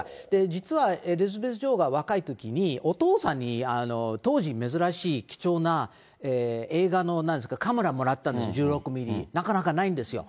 実は、エリザベス女王が若いときに、お父さんに当時珍しい貴重な映画のなんですか、カメラもらったんですよ、１６ミリ、なかなかないんですよ。